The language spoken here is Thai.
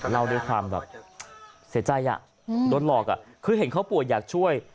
เล่าด้วยความแบบเสียใจโดนหลอกคือเห็นเขาป่วยอยากช่วย